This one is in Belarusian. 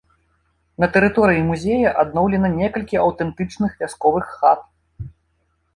На тэрыторыі музея адноўлена некалькі аўтэнтычных вясковых хат.